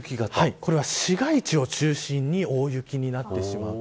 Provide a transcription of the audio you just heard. これは市街地を中心に大雪になるんです。